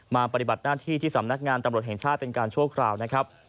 ปฏิบัติหน้าที่ที่สำนักงานตำรวจแห่งชาติเป็นการชั่วคราวนะครับ